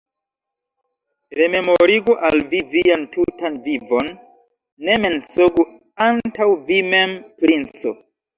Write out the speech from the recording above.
Rememorigu al vi vian tutan vivon, ne mensogu antaŭ vi mem, princo!